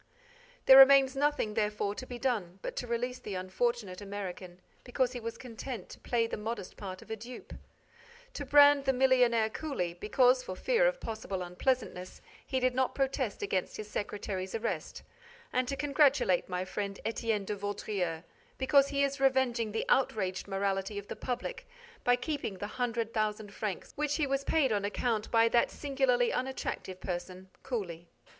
There remains nothing, therefore, to be done but to release the unfortunate American, because he was content to play the modest part of a dupe; to brand the millionaire Cooley, because, for fear of possible unpleasantness, he did not protest against his secretary's arrest; and to congratulate my friend Étienne de Vaudreix, because he is revenging the outraged morality of the public by keeping the hundred thousand francs which he was paid on account by that singularly unattractive person, Cooley.